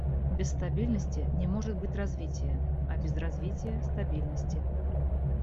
Без стабильности не может быть развития, а без развития — стабильности.